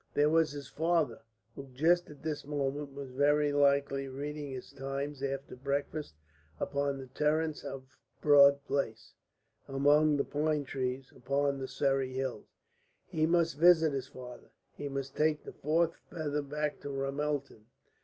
There was his father, who just at this moment was very likely reading his Times after breakfast upon the terrace of Broad Place among the pine trees upon the Surrey hills. He must visit his father, he must take that fourth feather back to Ramelton.